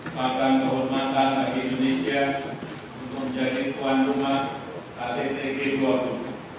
saya akan menghormatkan bagi indonesia untuk menjadi tuan rumah kttk bodo